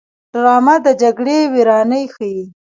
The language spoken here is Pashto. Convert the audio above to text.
ډرامه د جګړې ویرانۍ ښيي